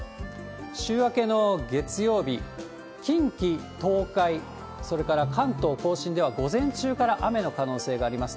週明けの月曜日、近畿、東海、それから関東甲信では、午前中から雨の可能性があります。